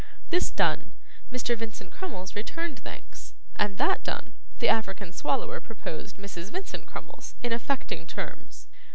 This done, Mr. Vincent Crummles returned thanks, and that done, the African Swallower proposed Mrs. Vincent Crummles, in affecting terms.